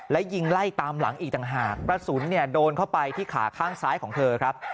และยิงไล่ตามหลังอีกต่างหากกระสุนเนี่ยโดนเข้าไปที่ขาข้างซ้ายของเธอครับ